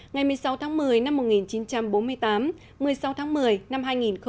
ngày một mươi sáu tháng một mươi năm một nghìn chín trăm bốn mươi tám một mươi sáu tháng một mươi năm hai nghìn một mươi chín